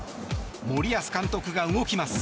森保監督が動きます。